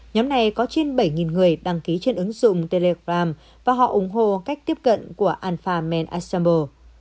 nhóm này có trên bảy người đăng ký trên ứng dụng telegram và họ ủng hộ cách tiếp cận của alpha men assambo